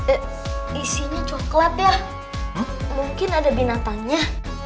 eh isinya coklat ya mungkin ada binatangnya